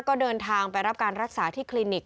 ก็เดินทางไปรับการรักษาที่คลินิก